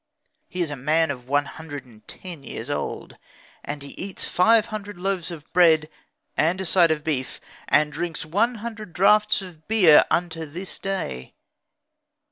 He is a man of one hundred and ten years old; and he eats five hundred loaves of bread, and a side of beef, and drinks one hundred draughts of beer, unto this day.